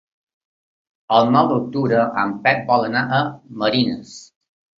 El nou d'octubre en Pep vol anar a Marines.